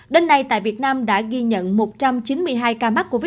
đến nay tại việt nam đã ghi nhận một trăm chín mươi hai ca mắc covid